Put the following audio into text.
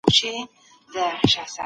ژوند د ښو او بدو اعمالو یوه ازموینه ده.